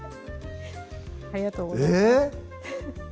ありがとうございますえっ？